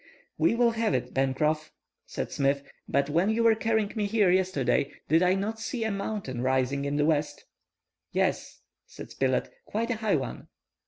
"We will have it, Pencroff," said Smith. "But when you were carrying me here yesterday, did not I see a mountain rising in the west?" "Yes," saidSpilett, "quite a high one."